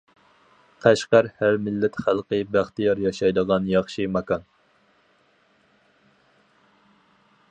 قەشقەر ھەر مىللەت خەلقى بەختىيار ياشايدىغان ياخشى ماكان.